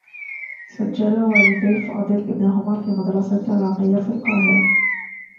سجّل والدي فاضل ابنهما في مدرسة راقية في القاهرة.